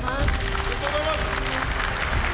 おめでとうございます。